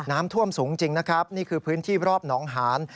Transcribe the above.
น้ำท่วมสูงจริงนะครับนี่คือพื้นที่รอบหนองหาน